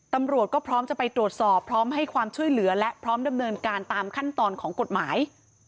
ตำรวจก็พร้อมจะไปตรวจสอบพร้อมให้ความช่วยเหลือและพร้อมดำเนินการตามขั้นตอนของกฎหมาย